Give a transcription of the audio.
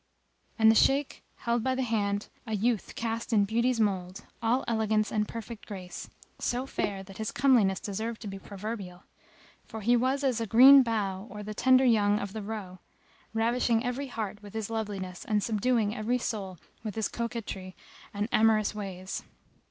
And the Shaykh held by the hand a youth cast in beauty's mould, all elegance and perfect grace; so fair that his comeliness deserved to be proverbial; for he was as a green bough or the tender young of the roe, ravishing every heart with his loveliness and subduing every soul with his coquetry and amorous ways.